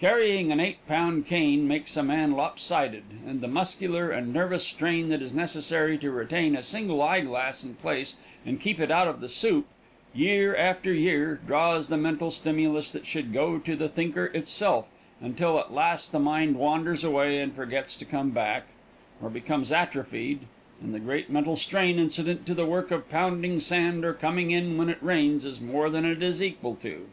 Carrying an eight pound cane makes a man lopsided, and the muscular and nervous strain that is necessary to retain a single eyeglass in place and keep it out of the soup, year after year, draws the mental stimulus that should go to the thinker itself, until at last the mind wanders away and forgets to come back, or becomes atrophied, and the great mental strain incident to the work of pounding sand or coming in when it rains is more than it is equal to.